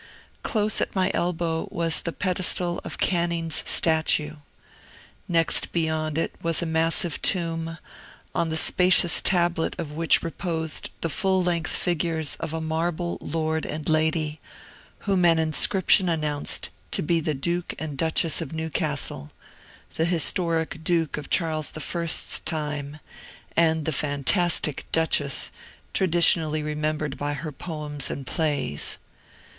Close at my elbow was the pedestal of Canning's statue. Next beyond it was a massive tomb, on the spacious tablet of which reposed the full length figures of a marble lord and lady, whom an inscription announced to be the Duke and Duchess of Newcastle, the historic Duke of Charles I.'s time, and the fantastic Duchess, traditionally remembered by her poems and plays.